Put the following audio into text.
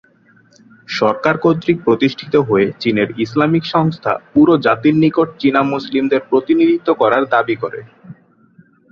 সরকার কর্তৃক প্রতিষ্ঠিত হয়ে চীনের ইসলামিক সংস্থা পুরো জাতির নিকট চীনা মুসলিমদের প্রতিনিধিত্ব করার দাবি করে।